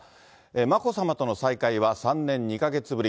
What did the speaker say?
眞子さまとの再会は３年２か月ぶり。